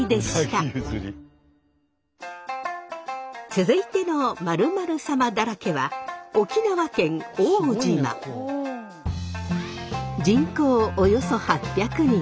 続いての〇〇サマだらけは人口およそ８００人。